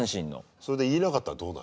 それで言えなかったらどうなるの？